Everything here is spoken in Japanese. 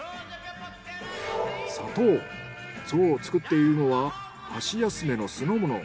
そう作っているのは箸休めの酢の物。